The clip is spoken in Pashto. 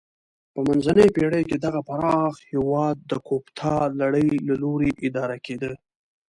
په منځنیو پیړیو کې دغه پراخ هېواد د کوپتا لړۍ له لوري اداره کېده.